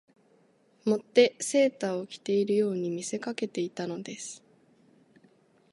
以てセーターを着ているように見せかけていたのです